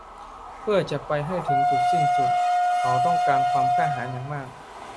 เพื่อจะไปให้ถึงจุดสิ้นสุด เขาต้องการความกล้าหาญอย่างมาก